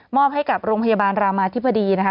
อบให้กับโรงพยาบาลรามาธิบดีนะคะ